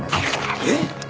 えっ！？